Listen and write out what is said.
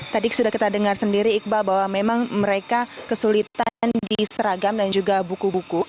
tadi sudah kita dengar sendiri iqbal bahwa memang mereka kesulitan di seragam dan juga buku buku